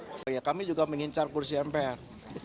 pertama p tiga akan mengincar kursi mpr